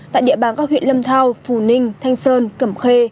tại địa bàn các huyện lâm thao phù ninh thanh sơn cẩm khê